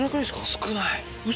少ない。